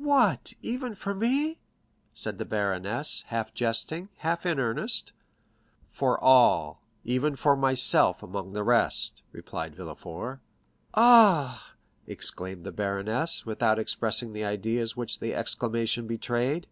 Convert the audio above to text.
"What, even for me?" said the baroness, half jesting, half in earnest. "For all, even for myself among the rest," replied Villefort. 50063m "Ah!" exclaimed the baroness, without expressing the ideas which the exclamation betrayed.